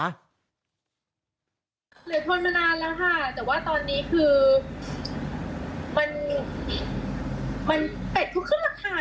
เหลือทนมานานแล้วค่ะแต่ว่าตอนนี้คือมันเป็ดทุกขึ้นราคา